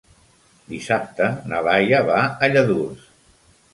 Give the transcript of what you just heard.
Dissabte na Laia va a Lladurs.